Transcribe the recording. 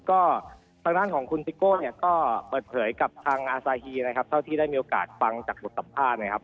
ก็ทางด้านของคุณซิโก้เนี่ยก็เปิดเผยกับทางอาซาฮีนะครับเท่าที่ได้มีโอกาสฟังจากบทสัมภาษณ์นะครับ